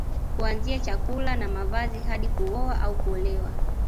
Kuanzia chakula na mavazi hadi kuoa au kuolewa